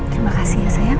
terima kasih ya sayang